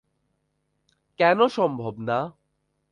কেন সম্ভব না?